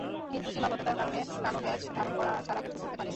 কিন্তু সীমাবদ্ধতার কারণে কালো ব্যাজ ধারণ করা ছাড়া কিছু করতে পারিনি।